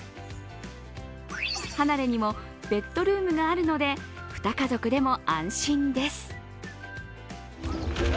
離れにもベッドルームがあるので２家族でも安心です。